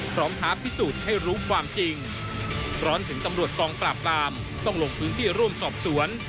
ท้าพิสูจน์ให้รู้ความจริงร้อนถึงตำรวจกองปราบปรามต้องลงพื้นที่ร่วมสอบสวน